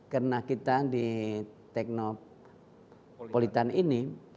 karena kita di teknopolitan ini